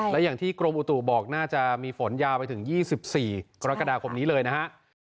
และอย่างที่กรมอุตุบอกน่าจะมีฝนยาวไปถึง๒๔กรกฎาคมนี้เลยนะฮะ